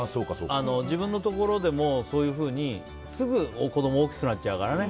自分のところでもそういうふうに、すぐ子供が大きくなっちゃうからね。